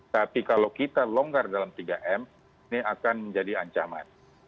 tapi kalau kita longgar dalam tiga m ini akan menjadi ancaman